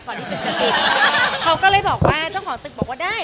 ที่ตึกจะปิดเขาก็เลยบอกว่าเจ้าของตึกบอกว่าได้